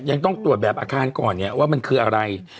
ยังต้องตรวจแบบอาคารก่อนเนี่ยว่ามันคืออะไร